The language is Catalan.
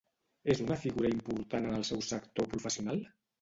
És una figura important en el seu sector professional?